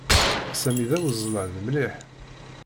Sami d awezzlan mliḥ.